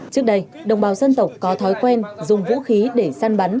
trước đây đồng bào dân tộc có thói quen dùng vũ khí để săn bắn